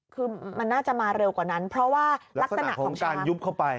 คือมันน่าจะมาเร็วกว่านั้นเพราะว่ารักษณะของการยุบเข้าไป